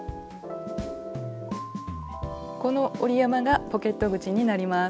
この折り山がポケット口になります。